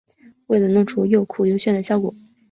为了弄出又酷又炫的效果